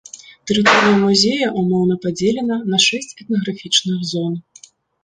Тэрыторыя музея ўмоўна падзелена на шэсць этнаграфічных зон.